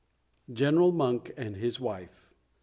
] GENERAL MONK AND HIS WIFE.